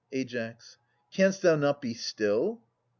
Ai. Canst thou not be still?